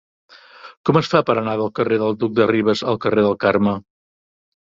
Com es fa per anar del carrer del Duc de Rivas al carrer del Carme?